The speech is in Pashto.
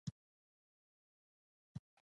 توري چي غاړي پرې کوي دوست او دښمن نه لري